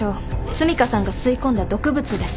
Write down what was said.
澄香さんが吸い込んだ毒物です。